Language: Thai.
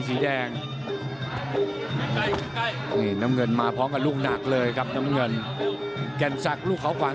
ครับครับครับครับครับครับครับครับครับครับครับครับครับครับครับ